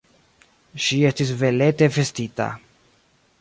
Ŝi estis belete vestita.